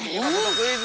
クイズ！